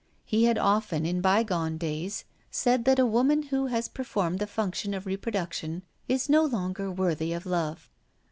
He had often in bygone days said that a woman who has performed the function of reproduction is no longer worthy of love.